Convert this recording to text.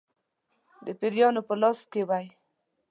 د پیرانو په لاس کې وای.